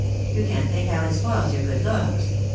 You can't think how it spoils your good looks.